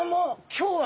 今日は？